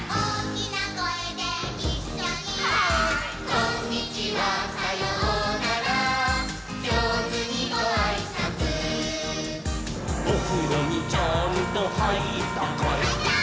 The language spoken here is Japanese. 「こんにちはさようならじょうずにごあいさつ」「おふろにちゃんとはいったかい？」はいったー！